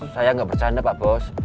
saya nggak percaya pak bos